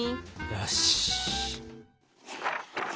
よし！